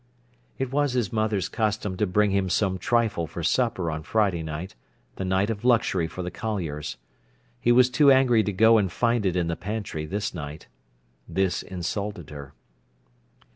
It was his mother's custom to bring him some trifle for supper on Friday night, the night of luxury for the colliers. He was too angry to go and find it in the pantry this night. This insulted her.